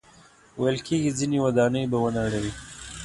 ویل کېږي ځینې ودانۍ به ونړوي.